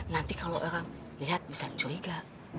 nanti kalau orang lihat bisa curiga